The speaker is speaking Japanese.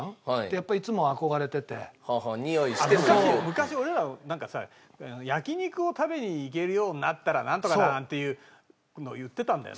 昔俺らなんかさ焼き肉を食べに行けるようになったらなんとかだなんていうのを言ってたんだよ。